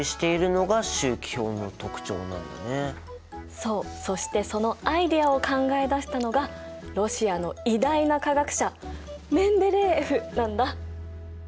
そうそしてそのアイデアを考え出したのがロシアの偉大な化学者メンデレーエフなんだ。